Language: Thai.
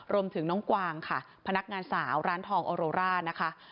รวมถึงน้องกวางค่ะพนักงานสาวร้านทองออโรร่านะคะ